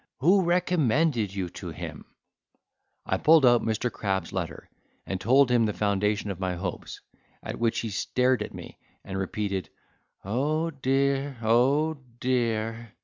Who recommended you to him?" I pulled out Mr. Crab's letter, and told him the foundation of my hopes, at which he stared at me, and repeated "Oh dear! Oh dear!"